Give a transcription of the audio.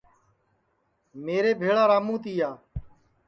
میرے بھیݪا راموں تِیا